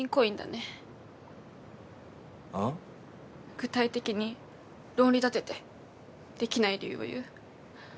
具体的に論理立ててできない理由を言う。